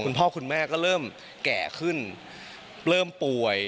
คุณพ่อคุณแม่ก็เริ่มแก่ขึ้นเริ่มป่วย